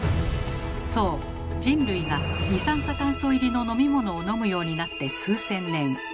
そう人類が二酸化炭素入りの飲み物を飲むようになって数千年。